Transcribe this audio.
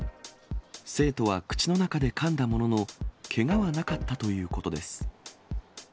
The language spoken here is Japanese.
生徒は口の中でかんだものの、けがはなかったということです。